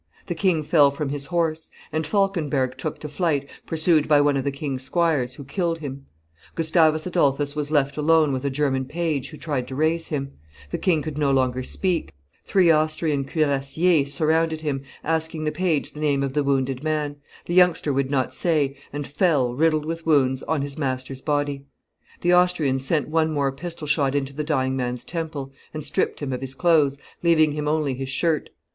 The king fell from his horse; and Falkenberg took to flight, pursued by one of the king's squires, who killed him. Gustavus Adolphus was left alone with a German page, who tried to raise him; the king could no longer speak; three Austrian cuirassiers surrounded him, asking the page the name of the wounded man; the youngster would not say, and fell, riddled with wounds, on his master's body; the Austrians sent one more pistol shot into the dying man's temple, and stripped him of his clothes, leaving him only his shirt.